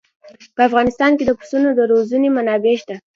په افغانستان کې د پسونو د روزنې منابع شته.